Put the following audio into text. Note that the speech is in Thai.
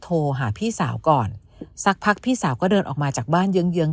โทรหาพี่สาวก่อนสักพักพี่สาวก็เดินออกมาจากบ้านเยื้องเยื้อง